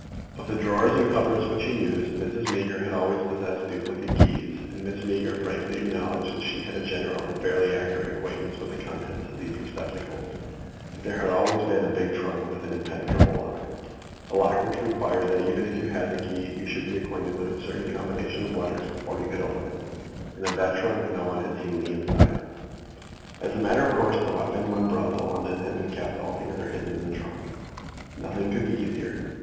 Of the drawers and cupboards which he used, Mrs. Meager had always possessed duplicate keys, and Miss Meager frankly acknowledged that she had a general and fairly accurate acquaintance with the contents of these receptacles; but there had always been a big trunk with an impenetrable lock, a lock which required that even if you had the key you should be acquainted with a certain combination of letters before you could open it, and of that trunk no one had seen the inside. As a matter of course, the weapon, when brought to London, had been kept altogether hidden in the trunk. Nothing could be easier.